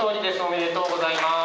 おめでとうございます。